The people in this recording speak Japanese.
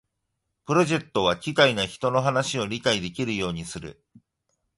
プロジェクトは機械が人の話を理解できるようにする